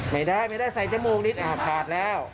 ไม่ได้ใส่จมูกนิดอะผลาก็แล้ว